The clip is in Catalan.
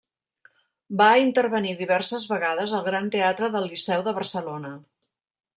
Va intervenir diverses vegades al Gran Teatre del Liceu de Barcelona.